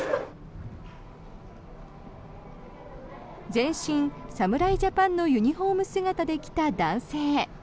全身侍ジャパンのユニホーム姿で来た男性。